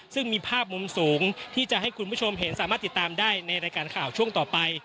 ซึ่งมีภาพมุมสูงที่จะให้คุณผู้ชมเห็นสามารถติดตามได้ในรายการข่าวช่วงต่อไป